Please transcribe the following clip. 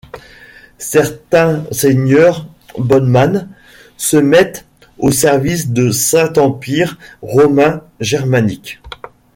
Certains seigneurs Bodman se mettent au service du Saint-Empire romain germanique.